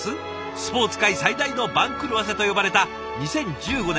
「スポーツ界最大の番狂わせ」と呼ばれた２０１５年